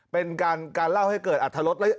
เป็นการเล่าให้เกิดอัตรรส